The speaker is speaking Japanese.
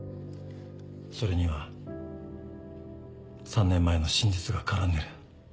それには３年前の真実が絡んでる。